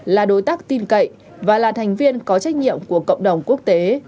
là đối tác tin cậy và là thành viên có trách nhiệm của cộng đồng quốc tế